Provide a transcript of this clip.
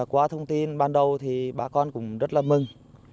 qua thông tin ban đầu thì bà con cũng rất là mừng